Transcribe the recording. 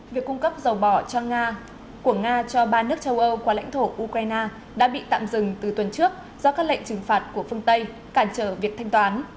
việc cung cấp dầu bỏ của nga cho ba nước châu âu qua lãnh thổ ukraine đã bị tạm dừng từ tuần trước do các lệnh trừng phạt của phương tây cản trở việc thanh toán